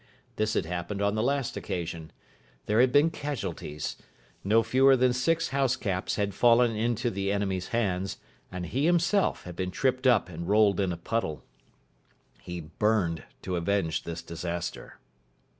This had happened on the last occasion. There had been casualties. No fewer than six house caps had fallen into the enemy's hands, and he himself had been tripped up and rolled in a puddle. He burned to avenge this disaster.